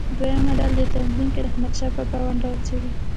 دویمه ډله دې په تنظیم کې د احمدشاه بابا ونډه وڅېړي.